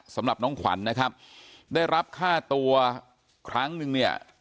สำหรับน้องขวัญนะครับได้รับค่าตัวครั้งนึงเนี่ย